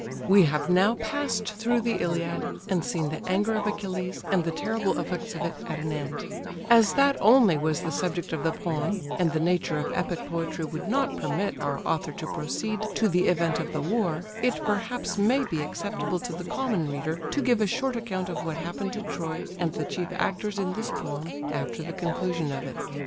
We have now passed through the Iliad, and seen the anger of Achilles, and the terrible effects of it, at an end: as that only was the subject of the poem, and the nature of epic poetry would not permit our author to proceed to the event of the war, it perhaps may be acceptable to the common reader to give a short account of what happened to Troy and the chief actors in this poem after the conclusion of it.